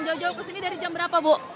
kamu mau ke sini dari jam berapa bu